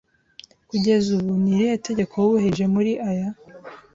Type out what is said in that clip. kugeza ubu ni irihe tegeko wubahirije muri aya